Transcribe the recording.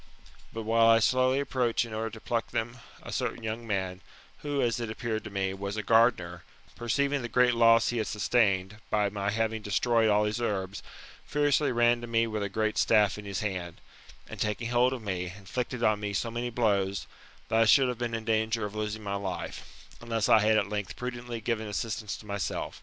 But while I slowly approach in order to pluck them, a certain young man, who, as it appeared to me, was a gardener, perceiving the great loss he had sustained, by my having destroyed all his herbs, furiously ran to me with a great staff in his hand, and taking hold of me, inflicted on me so many blows, that I should have been in danger of losing my life, unless I had at length prudently given assistance to myself.